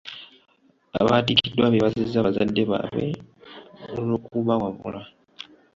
Abaatikiddwa beebazizza bazadde baabwe olw'okubawabula.